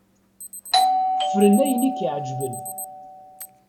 Fren ayen i k-iεeǧben.